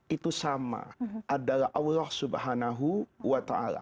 itu sama adalah allah swt